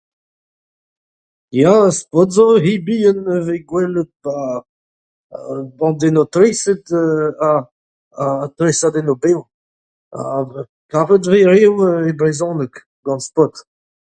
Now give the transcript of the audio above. Ya, Spot zo ur c'hi bihan a vez gwelet 'barzh bandennoù-treset ha ha tresadennoù-bev ha kavet 'vez reoù e brezhoneg gant Spot.